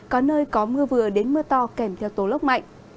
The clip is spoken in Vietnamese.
có nơi có mưa vừa đến mưa to kèm theo tố lốc mạnh